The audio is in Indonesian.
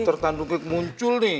tertanduk tanduk muncul nih